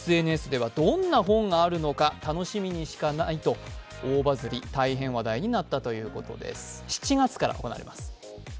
ＳＮＳでは、どんな本があるのか楽しみしかないなどと大変話題になったということです。